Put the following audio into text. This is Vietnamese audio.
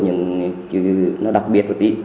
những chữ nó đặc biệt của tỷ